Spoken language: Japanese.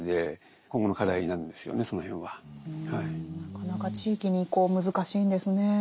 なかなか地域に移行難しいんですね。